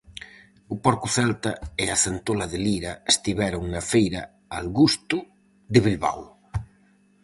O porco celta e a centola de Lira estiveron na feira algusto de Bilbao.